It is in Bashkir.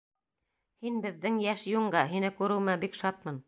Һин беҙҙең йәш юнга. һине күреүемә бик шатмын.